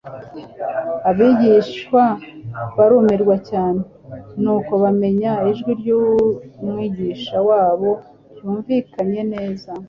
Abigishwa barumirwa cyane. Nuko bamenya ijwi ry'Umwigisha wabo ryumvikanye neza,